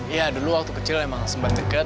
ya dulu waktu kecil emang sembar deket